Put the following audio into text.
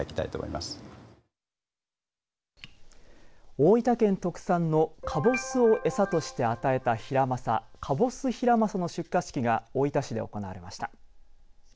大分県特産のカボスを餌として与えたヒラマサかぼすヒラマサの出荷式が大分市で行われました。